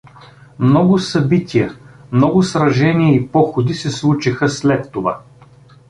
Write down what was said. Много събития, много сражения и походи се случиха след това.